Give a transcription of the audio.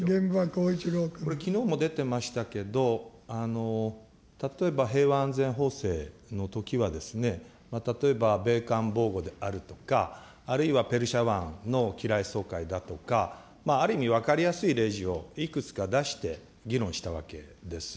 これ、きのうも出てましたけれども、例えば平和安全法制のときは、例えば米艦防護であるとか、あるいはペルシャ湾の機雷掃海だとか、ある意味、分かりやすい例示をいくつか出して議論したわけです。